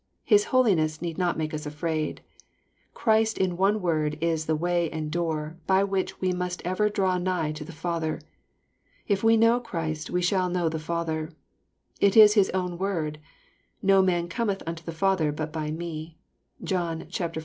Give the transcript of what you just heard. His holiness need not make us afraid. Christ in one word is the way a nd doo r, by which we must ever draw nigh to the Father. If we know Christ, we sh all know the Father. It is His own word, —^" No man cometh unto the Father but by Me.'* (John xiv. 6.)